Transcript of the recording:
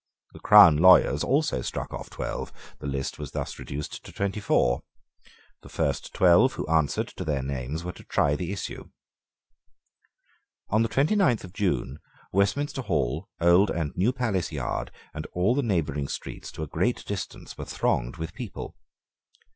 The crown lawyers also struck off twelve. The list was thus reduced to twenty four. The first twelve who answered to their names were to try the issue. On the twenty ninth of June, Westminster Hall, Old and New Palace Yard, and all the neighbouring streets to a great distance were thronged with people.